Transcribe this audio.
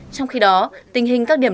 trong khi đó tình hình các điểm